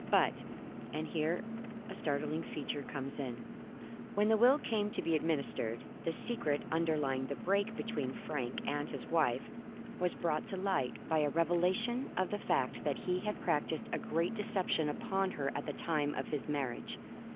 But and here a startling feature comes in when the will came to be administered, the secret underlying the break between Frank and his wife was brought to light by a revelation of the fact that he had practised a great deception upon her at the time of his marriage.